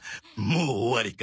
もう終わりか？